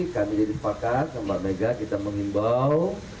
kami jadi sepakat sama mega kita mengimbau